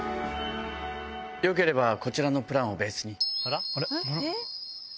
よければこちらのプランをベースに。